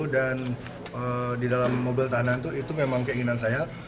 dan di dalam mobil tahanan itu memang keinginan saya